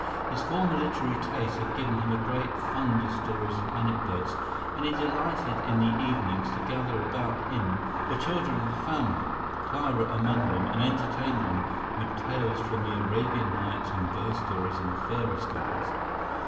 His former literary tastes had given him a great fund of stories and anecdotes, and he delighted in the evenings to gather about him the children of the family, Clara among them, and entertain them with tales from the Arabian Nights and ghost and fairy stories.